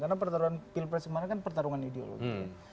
karena pertarungan pilpres kemarin kan pertarungan ideologi